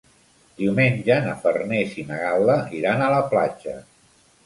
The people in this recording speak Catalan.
Diumenge na Farners i na Gal·la iran a la platja.